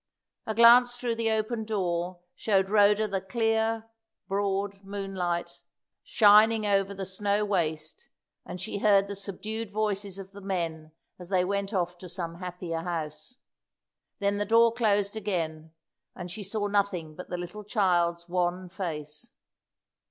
A glance through the open door showed Rhoda the clear, broad moonlight, shining over the snow waste, and she heard the subdued voices of the men as they went off to some happier house. Then the door closed again, and she saw nothing but the little child's wan face.